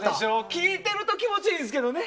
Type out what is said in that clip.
聴いてると気持ちいいんですけどね。